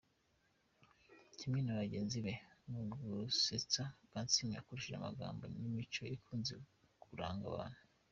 Kimwe na bagenzi be, mu gusetsa Kansiime yakoresha amagambo n’imico ikunze kuranga abantu.